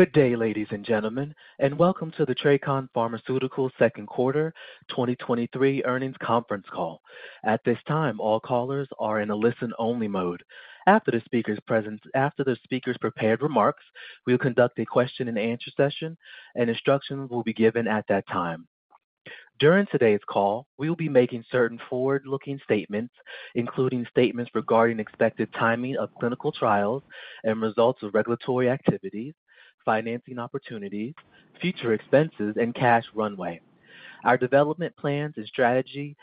Good day, ladies and gentlemen, and welcome to the TRACON Pharmaceuticals Second Quarter 2023 Earnings Conference Call. At this time, all callers are in a listen-only mode. After the speaker's prepared remarks, we'll conduct a question and answer session, and instructions will be given at that time. During today's call, we will be making certain forward-looking statements, including statements regarding expected timing of clinical trials and results of regulatory activities, financing opportunities, future expenses, and cash runway, our development plans and strategy,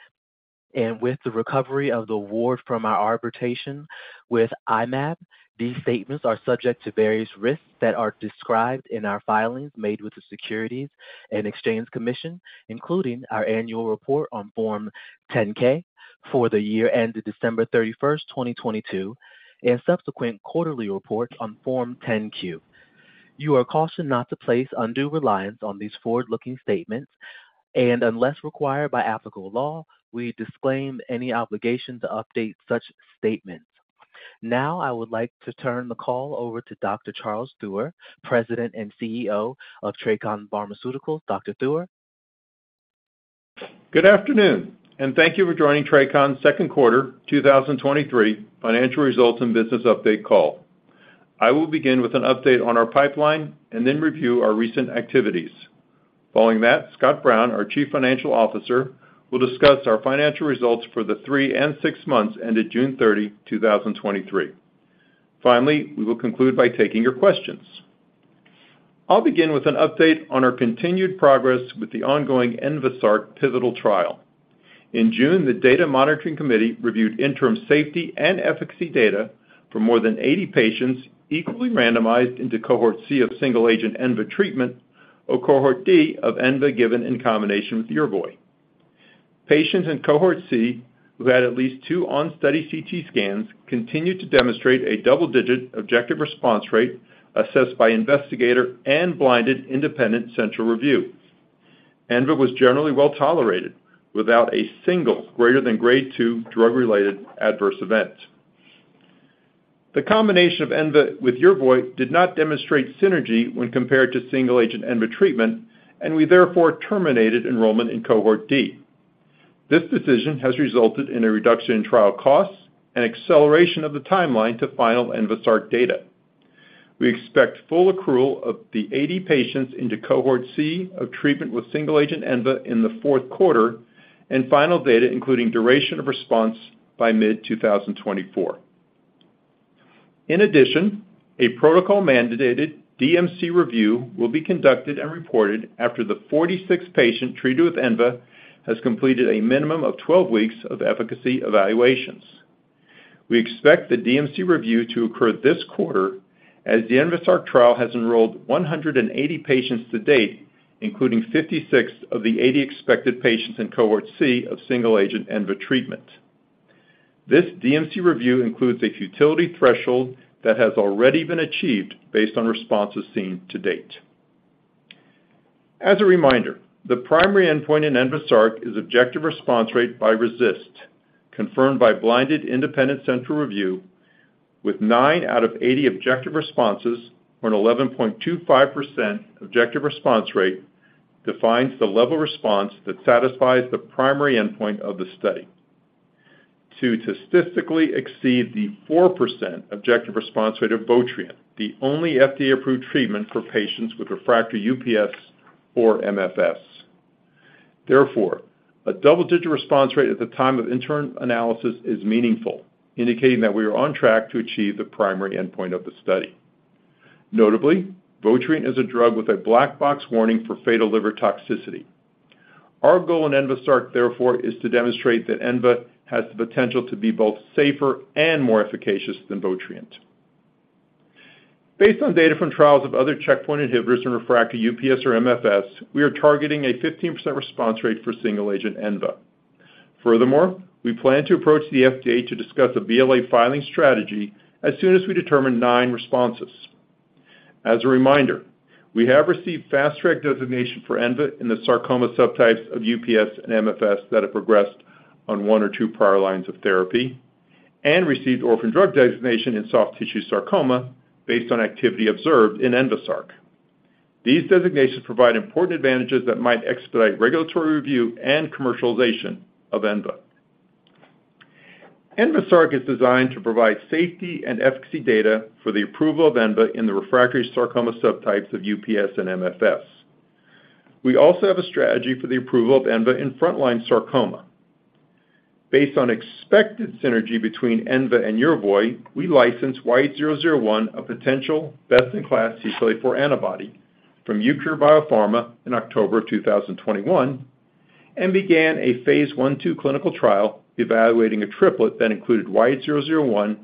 and with the recovery of the award from our arbitration with I-Mab. These statements are subject to various risks that are described in our filings made with the Securities and Exchange Commission, including our annual report on Form 10-K for the year ended December 31st, 2022, and subsequent quarterly reports on Form 10-Q. You are cautioned not to place undue reliance on these forward-looking statements, and unless required by applicable law, we disclaim any obligation to update such statements. Now, I would like to turn the call over to Dr. Charles Theuer, President and CEO of TRACON Pharmaceuticals. Dr. Theuer? Good afternoon, thank you for joining TRACON's Second Quarter 2023 Financial Results and Business Update Call. I will begin with an update on our pipeline and then review our recent activities. Following that, Scott Brown, our Chief Financial Officer, will discuss our financial results for the three and six months ended June 30, 2023. Finally, we will conclude by taking your questions. I'll begin with an update on our continued progress with the ongoing ENVASARC pivotal trial. In June, the Data Monitoring Committee reviewed interim safety and efficacy data for more than 80 patients, equally randomized into cohort C of single-agent envafolimab treatment, or cohort D of envafolimab given in combination with Yervoy. Patients in cohort C, who had at least two on-study CT scans, continued to demonstrate a double-digit objective response rate assessed by investigator and blinded independent central review. Envafolimab was generally well-tolerated without a single greater than Grade 2 drug-related adverse event. The combination of envafolimab with Yervoy did not demonstrate synergy when compared to single-agent envafolimab treatment, we therefore terminated enrollment in cohort D. This decision has resulted in a reduction in trial costs and acceleration of the timeline to final ENVASARC data. We expect full accrual of the 80 patients into cohort C of treatment with single-agent envafolimab in the fourth quarter and final data, including duration of response by mid-2024. In addition, a protocol-mandated DMC review will be conducted and reported after the 46 patients treated with envafolimab has completed a minimum of 12 weeks of efficacy evaluations. We expect the DMC review to occur this quarter, as the ENVASARC trial has enrolled 180 patients to date, including 56 of the 80 expected patients in cohort C of single-agent envafolimab treatment. This DMC review includes a futility threshold that has already been achieved based on responses seen to date. As a reminder, the primary endpoint in ENVASARC is objective response rate by RECIST, confirmed by blinded independent central review with nine out of 80 objective responses on 11.25% objective response rate, defines the level of response that satisfies the primary endpoint of the study. To statistically exceed the 4% objective response rate of Votrient, the only FDA-approved treatment for patients with refractory UPS or MFS. Therefore, a double-digit response rate at the time of interim analysis is meaningful, indicating that we are on track to achieve the primary endpoint of the study. Notably, Votrient is a drug with a black box warning for fatal liver toxicity. Our goal in ENVASARC, therefore, is to demonstrate that envafolimab has the potential to be both safer and more efficacious than Votrient. Based on data from trials of other checkpoint inhibitors in refractory UPS or MFS, we are targeting a 15% response rate for single-agent envafolimab. Furthermore, we plan to approach the FDA to discuss a BLA filing strategy as soon as we determine nine responses. As a reminder, we have received Fast Track designation for envafolimab in the sarcoma subtypes of UPS and MFS that have progressed on one or two prior lines of therapy and received Orphan Drug Designation in soft tissue sarcoma based on activity observed in ENVASARC. These designations provide important advantages that might expedite regulatory review and commercialization of envafolimab. ENVASARC is designed to provide safety and efficacy data for the approval of envafolimab in the refractory sarcoma subtypes of UPS and MFS. We also have a strategy for the approval of envafolimab in frontline sarcoma. Based on expected synergy between envafolimab and Yervoy, we licensed YH001, a potential best-in-class CTLA-4 antibody from Eucure Biopharma in October 2021 and began a phase I/II clinical trial evaluating a triplet that included YH001,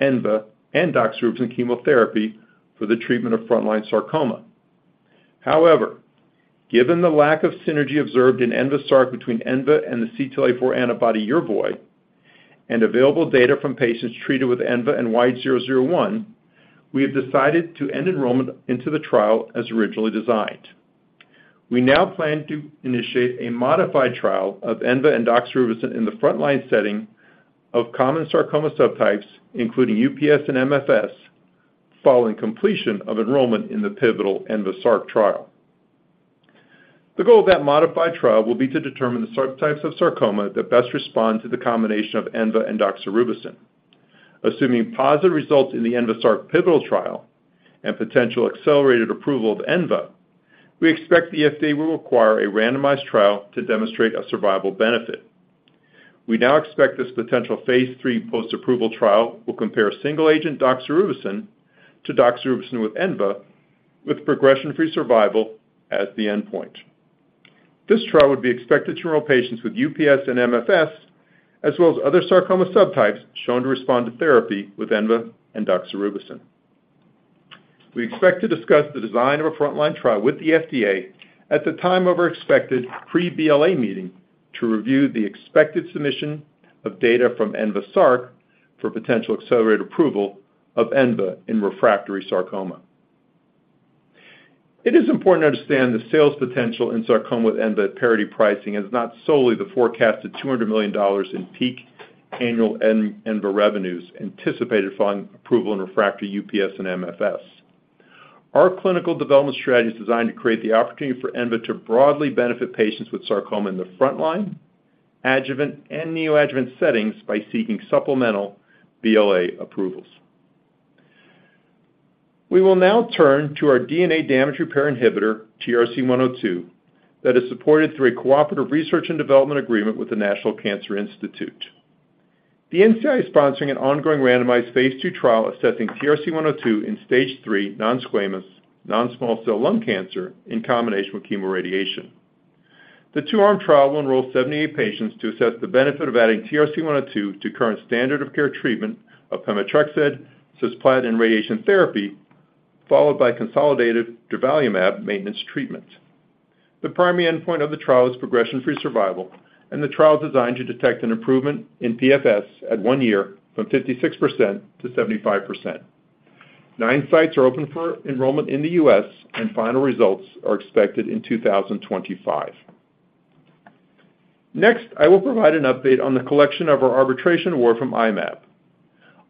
envafolimab, and doxorubicin chemotherapy for the treatment of frontline sarcoma. Given the lack of synergy observed in ENVASARC between envafolimab and the CTLA-4 antibody Yervoy and available data from patients treated with envafolimab and YH001, we have decided to end enrollment into the trial as originally designed. We now plan to initiate a modified trial of envafolimab and doxorubicin in the frontline setting of common sarcoma subtypes, including UPS and MFS, following completion of enrollment in the pivotal ENVASARC trial. The goal of that modified trial will be to determine the subtypes of sarcoma that best respond to the combination of envafolimab and doxorubicin. Assuming positive results in the ENVASARC pivotal trial and potential accelerated approval of envafolimab, we expect the FDA will require a randomized trial to demonstrate a survival benefit. We now expect this potential phase III post-approval trial will compare a single agent, doxorubicin, to doxorubicin with envafolimab, with progression-free survival as the endpoint. This trial would be expected to enroll patients with UPS and MFS, as well as other sarcoma subtypes shown to respond to therapy with envafolimab and doxorubicin. We expect to discuss the design of a frontline trial with the FDA at the time of our expected pre-BLA meeting to review the expected submission of data from ENVASARC for potential accelerated approval of envafolimab in refractory sarcoma. It is important to understand the sales potential in sarcoma with envafolimab at parity pricing is not solely the forecasted $200 million in peak annual envafolimab revenues anticipated following approval in refractory UPS and MFS. Our clinical development strategy is designed to create the opportunity for envafolimab to broadly benefit patients with sarcoma in the frontline, adjuvant, and neoadjuvant settings by seeking supplemental BLA approvals. We will now turn to our DNA damage repair inhibitor, TRC102, that is supported through a cooperative research and development agreement with the National Cancer Institute. The NCI is sponsoring an ongoing randomized phase II trial assessing TRC102 in Stage III non-squamous non-small cell lung cancer in combination with chemoradiation. The two-arm trial will enroll 78 patients to assess the benefit of adding TRC102 to current standard of care treatment of pemetrexed, cisplatin, and radiation therapy, followed by consolidated durvalumab maintenance treatment. The primary endpoint of the trial is progression-free survival. The trial is designed to detect an improvement in PFS at one year from 56% to 75%. Nine sites are open for enrollment in the U.S., and final results are expected in 2025. Next, I will provide an update on the collection of our arbitration award from I-Mab.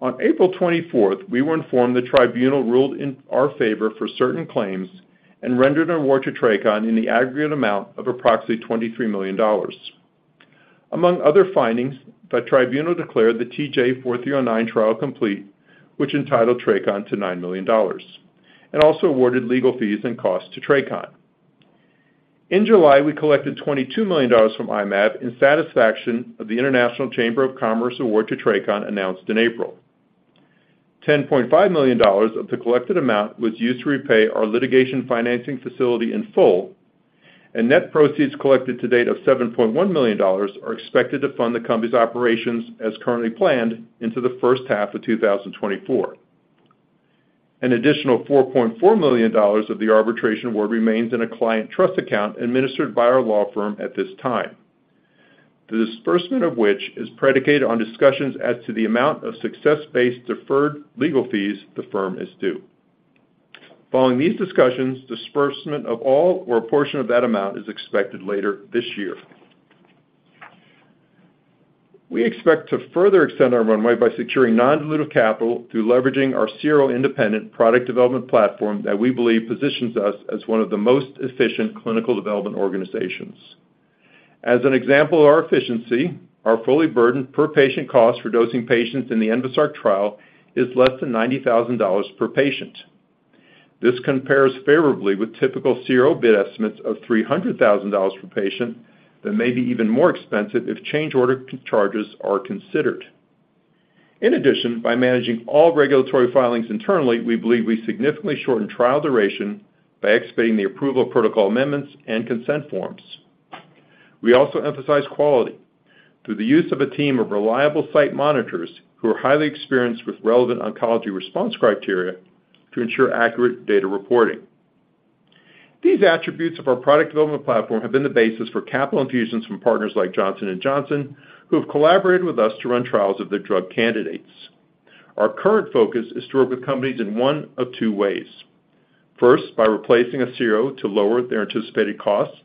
On April 24th, we were informed the tribunal ruled in our favor for certain claims and rendered an award to TRACON in the aggregate amount of approximately $23 million. Among other findings, the tribunal declared the TJ004309 trial complete, which entitled TRACON to $9 million, and also awarded legal fees and costs to TRACON. In July, we collected $22 million from I-Mab in satisfaction of the International Chamber of Commerce award to TRACON, announced in April. $10.5 million of the collected amount was used to repay our litigation financing facility in full, and net proceeds collected to date of $7.1 million are expected to fund the company's operations as currently planned into the first half of 2024. An additional $4.4 million of the arbitration award remains in a client trust account administered by our law firm at this time, the disbursement of which is predicated on discussions as to the amount of success-based deferred legal fees the firm is due. Following these discussions, disbursement of all or a portion of that amount is expected later this year. We expect to further extend our runway by securing non-dilutive capital through leveraging our CRO-independent product development platform that we believe positions us as one of the most efficient clinical development organizations. As an example of our efficiency, our fully burdened per-patient cost for dosing patients in the ENVASARC trial is less than $90,000 per patient. This compares favorably with typical CRO bid estimates of $300,000 per patient, that may be even more expensive if change order charges are considered. In addition, by managing all regulatory filings internally, we believe we significantly shorten trial duration by expediting the approval of protocol amendments and consent forms. We also emphasize quality through the use of a team of reliable site monitors who are highly experienced with relevant oncology response criteria to ensure accurate data reporting. These attributes of our product development platform have been the basis for capital infusions from partners like Johnson & Johnson, who have collaborated with us to run trials of their drug candidates. Our current focus is to work with companies in one of two ways. First, by replacing a CRO to lower their anticipated costs,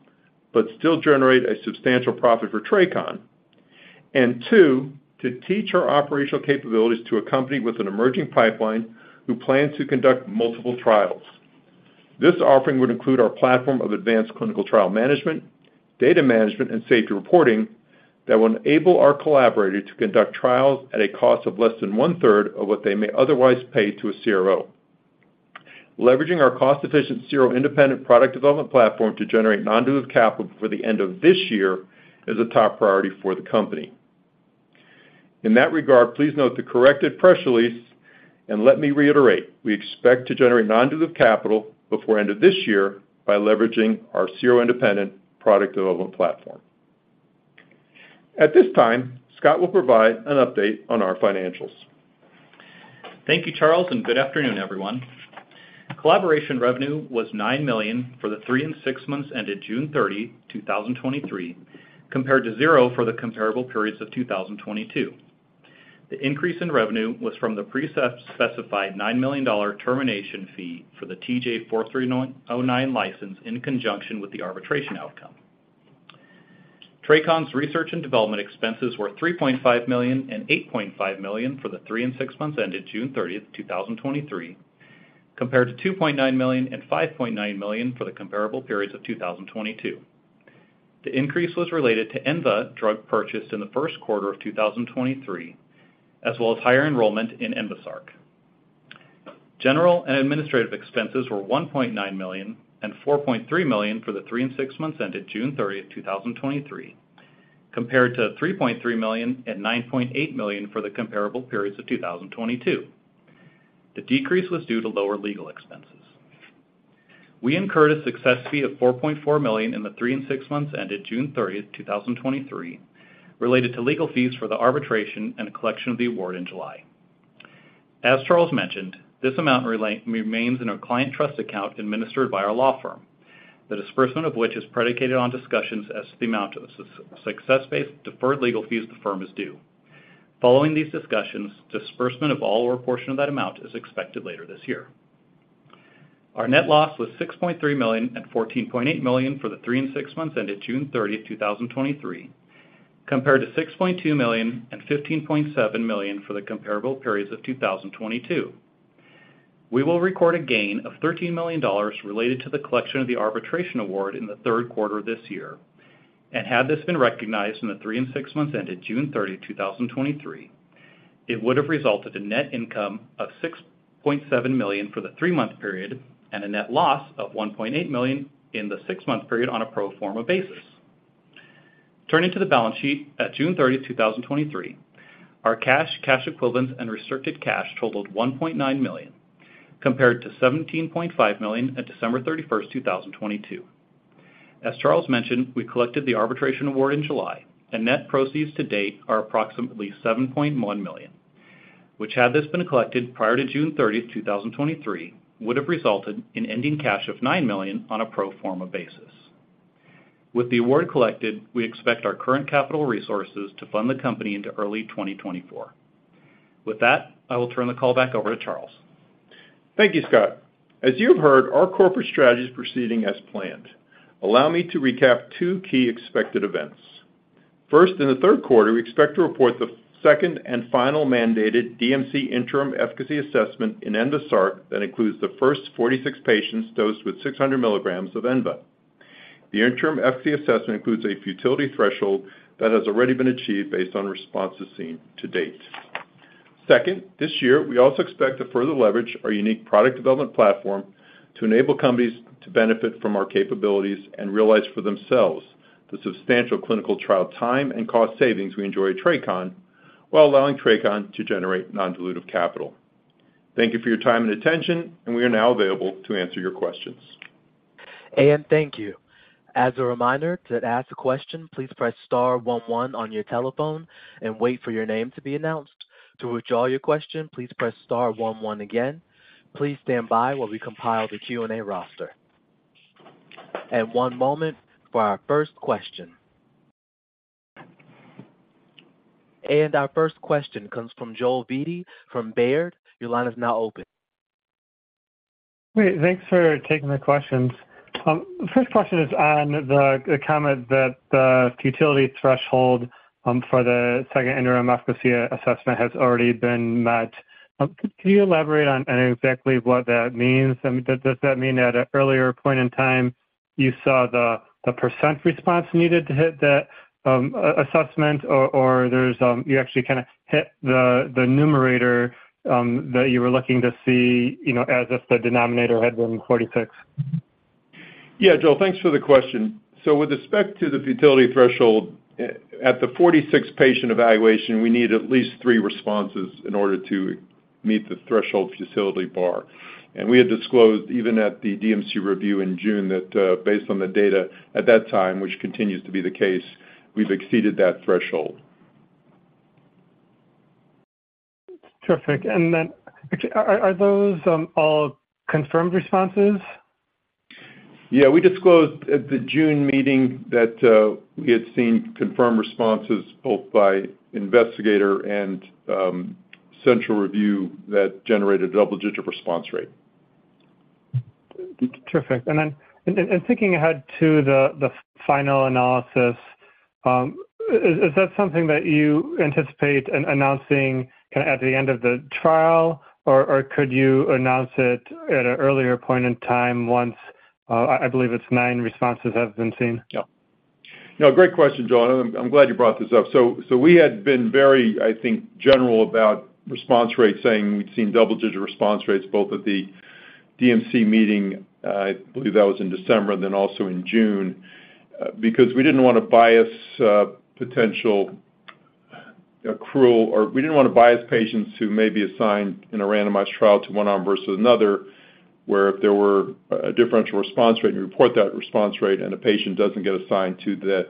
but still generate a substantial profit for TRACON. Two, to teach our operational capabilities to a company with an emerging pipeline who plan to conduct multiple trials. This offering would include our platform of advanced clinical trial management, data management, and safety reporting that will enable our collaborator to conduct trials at a cost of less than 1/3 of what they may otherwise pay to a CRO. Leveraging our cost-efficient, CRO-independent product development platform to generate non-dilutive capital before the end of this year is a top priority for the company. In that regard, please note the corrected press release. Let me reiterate, we expect to generate non-dilutive capital before end of this year by leveraging our CRO-independent product development platform. At this time, Scott will provide an update on our financials. Thank you, Charles. Good afternoon, everyone. Collaboration revenue was $9 million for the three and six months ended June 30, 2023, compared to 0 for the comparable periods of 2022. The increase in revenue was from the pre-specified $9 million termination fee for the TJ4309 license in conjunction with the arbitration outcome. TRACON's research and development expenses were $3.5 million and $8.5 million for the three and six months ended June 30, 2023, compared to $2.9 million and $5.9 million for the comparable periods of 2022. The increase was related to envafolimab drug purchase in the first quarter of 2023, as well as higher enrollment in ENVASARC. General and administrative expenses were $1.9 million and $4.3 million for the three and six months ended June 30, 2023, compared to $3.3 million and $9.8 million for the comparable periods of 2022. The decrease was due to lower legal expenses. We incurred a success fee of $4.4 million in the three and six months ended June 30, 2023, related to legal fees for the arbitration and collection of the award in July. As Charles mentioned, this amount remains in a client trust account administered by our law firm, the disbursement of which is predicated on discussions as to the amount of the success-based deferred legal fees the firm is due. Following these discussions, disbursement of all or a portion of that amount is expected later this year. Our net loss was $6.3 million and $14.8 million for the three and six months ended June thirtieth, 2023, compared to $6.2 million and $15.7 million for the comparable periods of 2022. We will record a gain of $13 million related to the collection of the arbitration award in the third quarter of this year. Had this been recognized in the three and six months ended June 30, 2023, it would have resulted in net income of $6.7 million for the three-month period and a net loss of $1.8 million in the six-month period on a pro forma basis. Turning to the balance sheet at June 30, 2023, our cash, cash equivalents, and restricted cash totaled $1.9 million, compared to $17.5 million at December 31st, 2022. As Charles mentioned, we collected the arbitration award in July, and net proceeds to date are approximately $7.1 million, which, had this been collected prior to June 30, 2023, would have resulted in ending cash of $9 million on a pro forma basis. With the award collected, we expect our current capital resources to fund the company into early 2024. With that, I will turn the call back over to Charles. Thank you, Scott. As you have heard, our corporate strategy is proceeding as planned. Allow me to recap two key expected events. First, in the third quarter, we expect to report the second and final mandated DMC interim efficacy assessment in ENVASARC that includes the first 46 patients dosed with 600 mg of envafolimab. The interim efficacy assessment includes a futility threshold that has already been achieved based on responses seen to date. Second, this year, we also expect to further leverage our unique product development platform to enable companies to benefit from our capabilities and realize for themselves the substantial clinical trial time and cost savings we enjoy at TRACON, while allowing TRACON to generate non-dilutive capital. Thank you for your time and attention. We are now available to answer your questions. Thank you. As a reminder, to ask a question, please press star one one on your telephone and wait for your name to be announced. To withdraw your question, please press star one one again. Please stand by while we compile the Q&A roster. One moment for our first question. Our first question comes from Joel Beatty from Baird. Your line is now open. Great. Thanks for taking the questions. The first question is on the, the comment that the futility threshold for the second interim efficacy assessment has already been met. Can you elaborate on, on exactly what that means? I mean, does, does that mean at an earlier point in time, you saw the, the percent response needed to hit that assessment, or, or there's, you actually kinda hit the, the numerator, that you were looking to see, you know, as if the denominator had been 46? Yeah, Joel, thanks for the question. With respect to the futility threshold, at the 46 patient evaluation, we need at least three responses in order to meet the threshold futility bar. We had disclosed, even at the DMC review in June, that, based on the data at that time, which continues to be the case, we've exceeded that threshold. Terrific. Then are, are those, all confirmed responses? Yeah, we disclosed at the June meeting that, we had seen confirmed responses both by investigator and, central review that generated double-digit response rate. Terrific. Thinking ahead to the final analysis, is that something that you anticipate announcing kinda at the end of the trial, or could you announce it at an earlier point in time once, I believe it's nine responses have been seen? Yeah. No, great question, Joel, and I'm glad you brought this up. We had been very, I think, general about response rates, saying we've seen double-digit response rates both at the DMC meeting, I believe that was in December, and then also in June, because we didn't want to bias potential accrual, or we didn't want to bias patients who may be assigned in a randomized trial to one arm versus another, where if there were a differential response rate, and we report that response rate, and a patient doesn't get assigned to the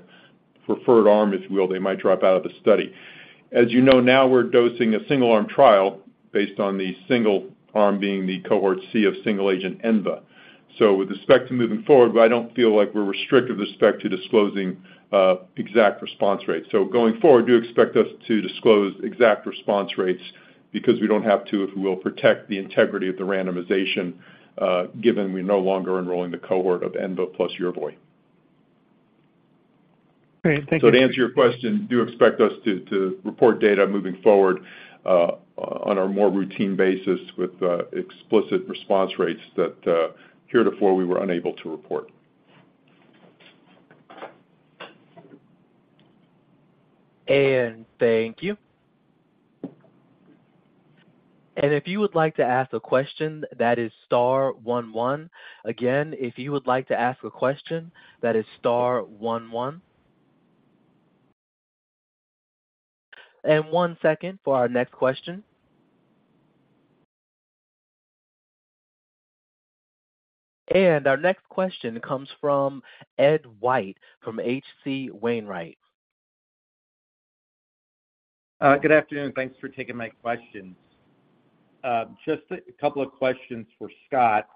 preferred arm, if you will, they might drop out of the study. As you know, now we're dosing a single-arm trial.... based on the single arm being the cohort C of single agent envafolimab. With respect to moving forward, but I don't feel like we're restricted with respect to disclosing exact response rates. Going forward, do expect us to disclose exact response rates because we don't have to, if we will protect the integrity of the randomization, given we're no longer enrolling the cohort of envafolimab plus Yervoy. Great, thank you. To answer your question, do expect us to report data moving forward on a more routine basis with explicit response rates that heretofore we were unable to report. Thank you. If you would like to ask a question, that is star one, one. Again, if you would like to ask a question, that is star one, one. One second for our next question. Our next question comes from Ed White, from H.C. Wainwright. Good afternoon. Thanks for taking my questions. Just a couple of questions for Scott.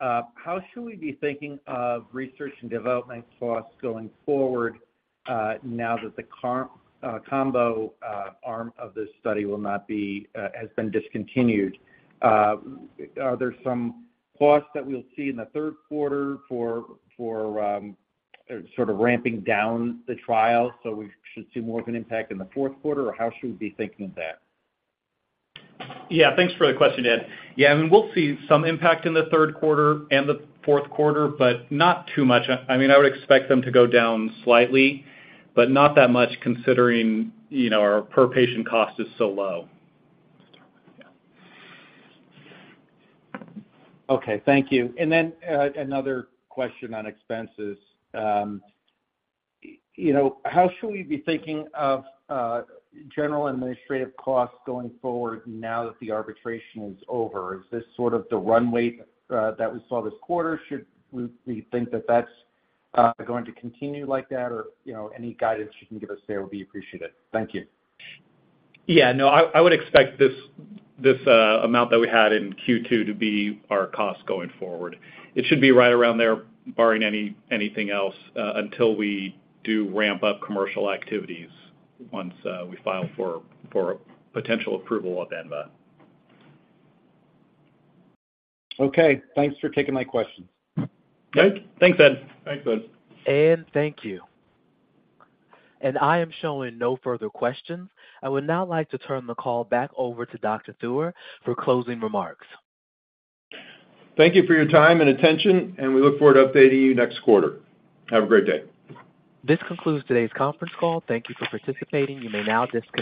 How should we be thinking of research and development costs going forward, now that the combo arm of this study has been discontinued? Are there some costs that we'll see in the third quarter for sort of ramping down the trial, so we should see more of an impact in the fourth quarter? How should we be thinking of that? Thanks for the question, Ed. We'll see some impact in the third quarter and the fourth quarter, but not too much. I mean, I would expect them to go down slightly, but not that much considering, you know, our per-patient cost is so low. Okay, thank you. Another question on expenses. You know, how should we be thinking of general administrative costs going forward now that the arbitration is over? Is this sort of the runway that we saw this quarter? Should we think that that's going to continue like that? Or, you know, any guidance you can give us there will be appreciated. Thank you. Yeah. No, I, I would expect this, this amount that we had in Q2 to be our cost going forward. It should be right around there, barring anything else, until we do ramp up commercial activities once we file for potential approval of envafolimab. Okay, thanks for taking my questions. Yep. Thanks, Ed. Thanks, Ed. Thank you. I am showing no further questions. I would now like to turn the call back over to Dr. Theuer for closing remarks. Thank you for your time and attention. We look forward to updating you next quarter. Have a great day. This concludes today's conference call. Thank you for participating. You may now disconnect.